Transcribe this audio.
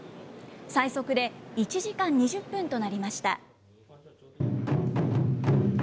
最速で１時間２０分となりました。